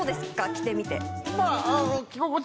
着てみて。